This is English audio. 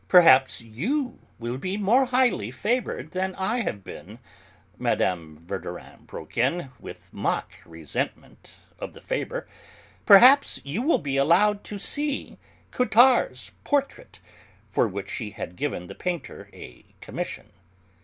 "Perhaps you will be more highly favoured than I have been," Mme. Verdurin broke in, with mock resentment of the favour, "perhaps you will be allowed to see Cottard's portrait" (for which she had given the painter a commission).